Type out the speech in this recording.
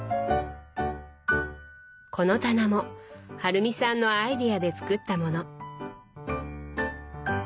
この棚も春美さんのアイデアで作ったもの。